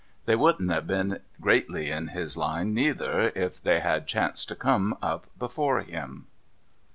They wouldn't have been greatly in his line neither, if they had chanced to come up before him.